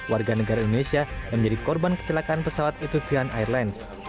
warga negara indonesia yang menjadi korban kecelakaan pesawat ethipian airlines